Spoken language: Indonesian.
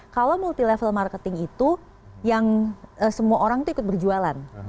kalau multi level marketing itu yang semua orang itu ikut berjualan